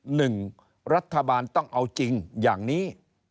หนึ่งรัฐบาลต้องเอาจริงอย่างนี้